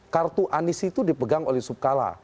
kartu anis itu dipegang oleh yusuf kala